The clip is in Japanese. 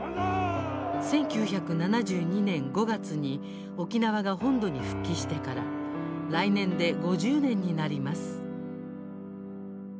１９７２年５月に沖縄が本土に復帰してから来年で５０年になります。